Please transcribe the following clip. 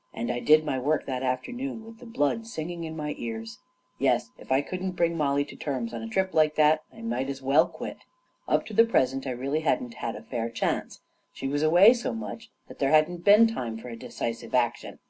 " And I did my work that afternoon with the blood singing in my ears. Yes, if I couldn't bring Mollie to terms on a trip like that, I might as well quit. Up to the present, I really hadn't had a fair chance. She was away so much, that there hadn't been time for a decisive action.